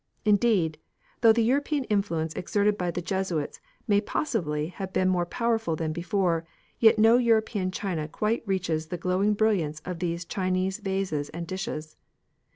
Indeed, though the European influence exerted by the Jesuits may possibly have been more powerful than before, yet no European china quite reaches the glowing brilliance of these Chinese vases and dishes.